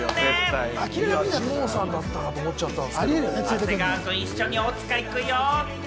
長谷川君、一緒に大塚行くよ。